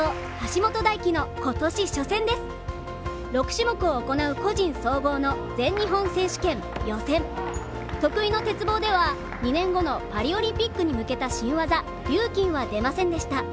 ６種目を行う個人総合の全日本選手権予選、得意の鉄棒では２年後のパリオリンピックに向けた新技リューキンは出ませんでした。